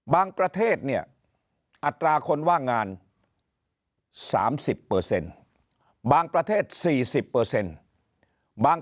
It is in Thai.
ประเทศเนี่ยอัตราคนว่างงาน๓๐บางประเทศ๔๐บาง